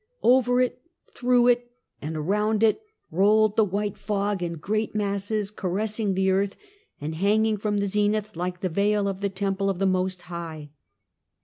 Over it, through it, and around it, rolled the white fog, in great masses, caressing the earth and hanging from the zenith like the veil of the temple of the Most High.